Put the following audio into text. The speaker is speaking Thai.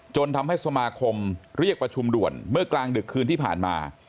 จนทำให้สมาคมเรียกประชุมด่วนเมื่อกลางดึกคืนที่ผ่านมา